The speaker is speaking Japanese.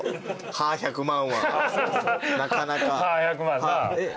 歯１００万な。